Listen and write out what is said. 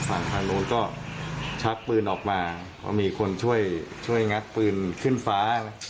ฝั่งทางนู้นก็ชักปืนออกมาเพราะมีคนช่วยช่วยงัดปืนขึ้นฟ้า